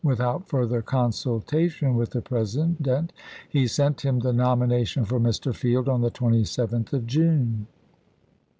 Without further consultation with the President, he sent him the nomination for Mr. Field on the 27th of June.